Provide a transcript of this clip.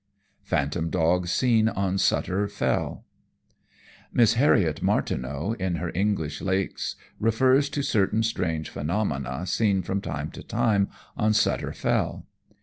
Phantom Dog seen on Souter Fell Miss Harriet Martineau, in her English Lakes, refers to certain strange phenomena seen from time to time on Souter Fell.